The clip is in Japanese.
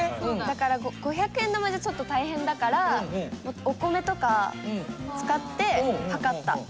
だから５００円玉じゃちょっと大変だからお米とか使って量った。